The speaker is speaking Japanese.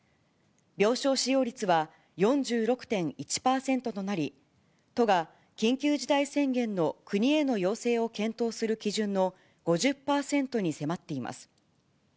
病床使用率は４６．１％となり、都が緊急事態宣言の国への要請を検討する基準の５０％に迫っています。